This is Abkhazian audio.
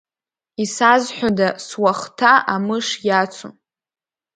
Исазҳәода суахҭа амыш иацу?